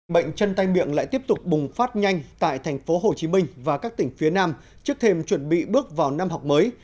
bệnh chân tay miệng lại tiếp tục bùng phát nhanh tại thành phố hồ chí minh và các tỉnh phía nam trước thêm chuẩn bị bước vào năm học mới